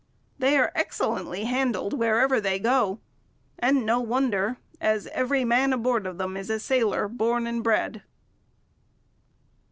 They are excellently handled wherever they go; and no wonder, as every man aboard of them is a sailor born and bred.